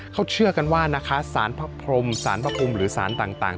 เขาเชื่อกันว่านะคะสารพระพรมสารพระภูมิหรือสารต่าง